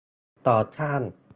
ต่อต้าน